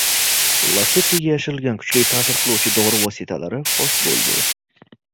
“Lasetti”ga yashirilgan kuchli ta’sir qiluvchi dori vositalari fosh bo‘ldi